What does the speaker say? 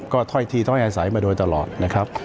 ก็ถ้อยทีถ้อยอาศัยมาโดยตลอดนะครับ